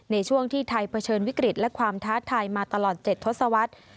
ในช่วงที่ไทยเผชิญวิกฤตและความท้าทายมาตลอด๗ทศวรรษ